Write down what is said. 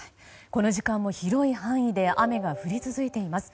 この時間も広い範囲で雨が降り続いています。